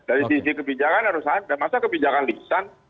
dari sisi kebijakan harus ada masa kebijakan lisan